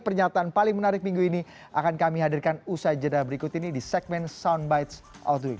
pernyataan paling menarik minggu ini akan kami hadirkan usai jeda berikut ini di segmen soundbites outdoor